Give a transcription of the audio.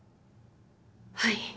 はい。